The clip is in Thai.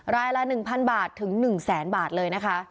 รายละ๑๐๐บาทถึง๑แสนบาทเลยนะคะ